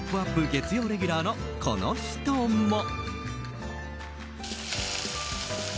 月曜レギュラーのこの人も。